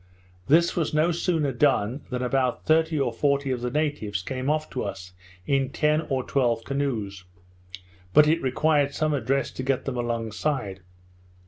This was no sooner done, than about thirty or forty of the natives came off to us in ten or twelve canoes; but it required some address to get them alongside.